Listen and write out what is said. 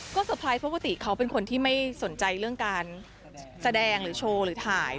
ก็เตอร์ไพรส์เพราะปกติเขาเป็นคนที่ไม่สนใจเรื่องการแสดงหรือโชว์หรือถ่าย